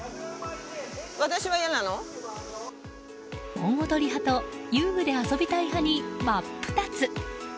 盆踊り派と遊具で遊びたい派に真っ二つ。